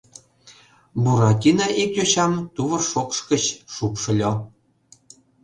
Буратино ик йочам тувыр шокш гыч шупшыльо.